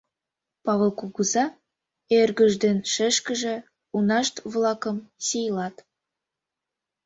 Павыл кугыза, эргыж ден шешкыже унашт-влакым сийлат.